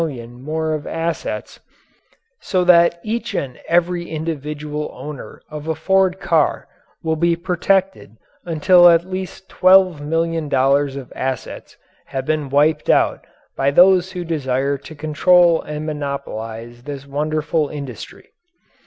00 more of assets, so that each and every individual owner of a Ford car will be protected until at least $12,000,000.00 of assets have been wiped out by those who desire to control and monopolize this wonderful industry.